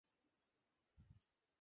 কিন্তু আমি তো দেখেছি।